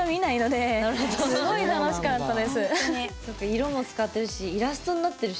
色も使ってるしイラストになってるし。